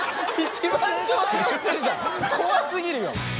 怖過ぎるよ！